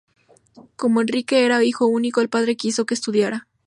Como Enrique era el único hijo, el padre quiso que estudiara.